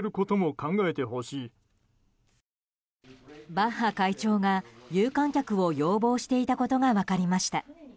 バッハ会長が有観客を要望していたことが分かりました。